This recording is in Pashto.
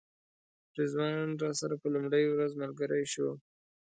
رضوان راسره په لومړۍ ورځ ملګری شو.